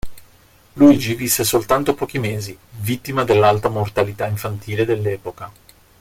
Luigi visse soltanto pochi mesi, vittima dell'alta mortalità infantile dell'epoca.